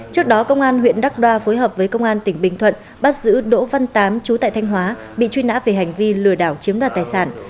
trước đó công an huyện đắk đoa phối hợp với công an tỉnh bình thuận bắt giữ đỗ văn tám chú tại thanh hóa bị truy nã về hành vi lừa đảo chiếm đoạt tài sản